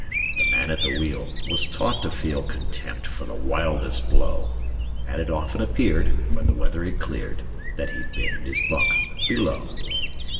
The man at the wheel was taught to feel Contempt for the wildest blow, And it often appeared, when the weather had cleared, That he'd been in his bunk below.